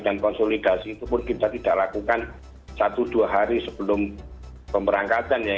dan konsolidasi itu pun kita tidak lakukan satu dua hari sebelum pemberangkatan ya